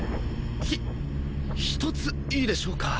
ひ一ついいでしょうか？